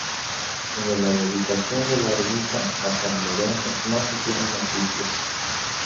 De la dedicación de la ermita a san Lorenzo no se tienen noticias.